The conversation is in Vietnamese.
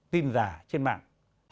tin giả trên mạng